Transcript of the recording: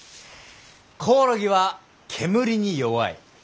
コオロギは煙に弱い。